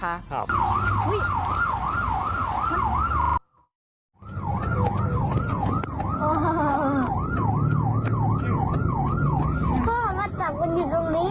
ก็มาจากมันอยู่ตรงนี้หรอ